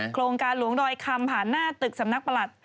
โครงการหลวงดอยคำผ่านหน้าตึกสำนักประหลัด